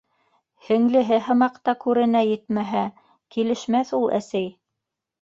Һеңлеһе һымаҡ та күрә, етмәһә, - Килешмәҫ ул, әсәй.